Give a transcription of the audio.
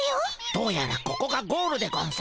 どうやらここがゴールでゴンス。